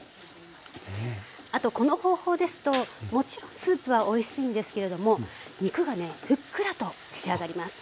あとこの方法ですともちろんスープはおいしいんですけれども肉がねふっくらと仕上がります。